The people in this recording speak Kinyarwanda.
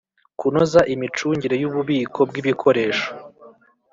Kunoza imicungire y ububiko bw ibikoresho